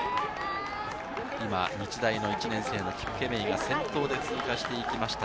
今、期待の１年生のキップケメイが先頭で通過していきました。